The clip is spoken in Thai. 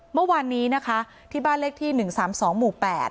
เมื่อวานนี้นะคะที่บ้านเลขที่๑๓๒หมู่๘